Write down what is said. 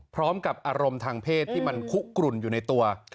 อารมณ์ทางเพศที่มันคุกกลุ่นอยู่ในตัว